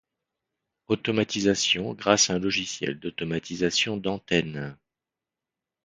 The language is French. Automatisation grâce à un logiciel d’automatisation d’antenne.